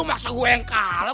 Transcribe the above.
masa gue yang kalah